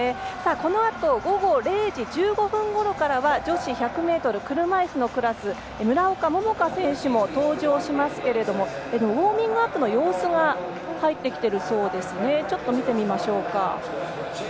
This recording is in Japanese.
このあと午後０時１５分ごろからは女子１００ｍ車いすのクラス村岡桃佳選手も登場しますけれどもウォーミングアップの様子が入ってきているそうですね。